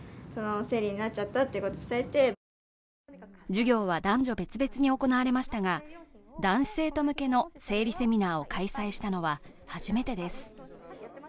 授業は男女別々に行われましたが、男子生徒向けの生理セミナーを開催したのは初めてです。